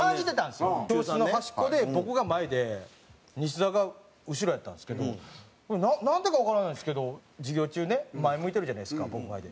教室の端っこで僕が前で西澤が後ろやったんですけどなんでかわからないですけど授業中ね前向いてるじゃないですか僕前で。